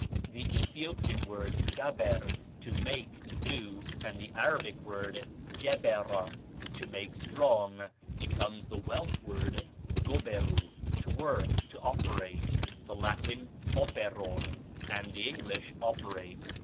The Ethiopic word gaber, to make, to do, and the Arabic word jabara, to make strong, becomes the Welsh word goberu, to work, to operate, the Latin operor, and the English operate.